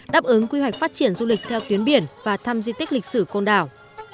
đáp ứng quy hoạch phát triển du lịch theo tuyến biển và thăm di tích lịch sử côn đảo